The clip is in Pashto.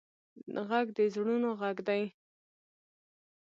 غږ د زړونو غږ دی